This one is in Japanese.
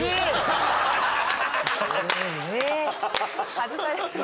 外されてる。